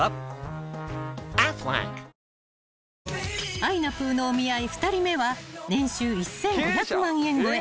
［あいなぷぅのお見合い２人目は年収１，５００万円超え